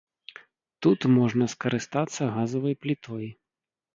Тут можна скарыстацца газавай плітой.